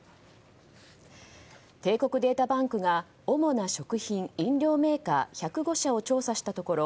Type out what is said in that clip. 帝国データバンクが主な食品、飲料メーカー１０５社を調査したところ